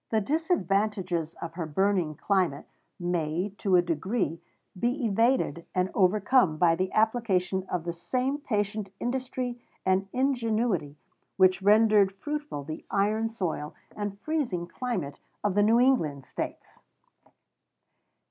The disadvantages of her burning climate may, to a degree, be evaded and overcome by the application of the same patient industry and ingenuity which rendered fruitful the iron soil and freezing climate of the New England States.